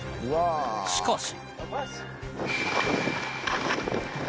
しかし